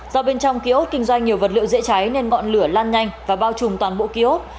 do bên trong ký ốt kinh doanh nhiều vật liệu dễ cháy nên ngọn lửa lan nhanh và bao trùm toàn bộ ký ốt